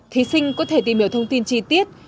thí sinh có thể tìm hiểu thông tin chi tiết